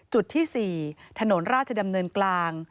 จุดที่๔ถนนราชดำเนินกลาง